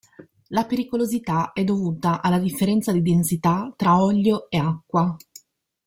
La pericolosità è dovuta alla differenza di densità tra olio e acqua.